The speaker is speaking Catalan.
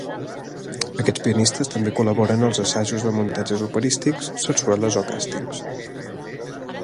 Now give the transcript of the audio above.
Aquests pianistes també col·laboren als assajos de muntatges operístics, sarsueles o càstings.